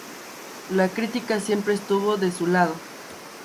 La crítica siempre estuvo de su lado.